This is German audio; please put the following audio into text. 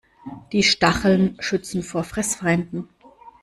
Die Stacheln schützen vor Fressfeinden.